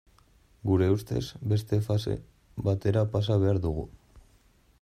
Gure ustez, beste fase batera pasa behar dugu.